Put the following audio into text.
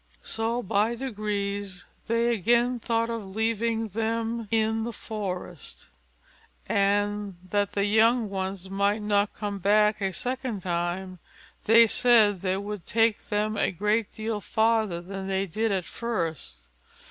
So by degrees they again thought of leaving them in the forest: and that the young ones might not come back a second time, they said they would take them a great deal farther than they did at first.